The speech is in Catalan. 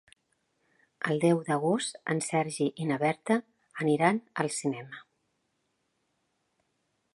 El deu d'agost en Sergi i na Berta aniran al cinema.